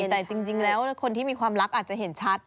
แต่จริงแล้วคนที่มีความรักอาจจะเห็นชัด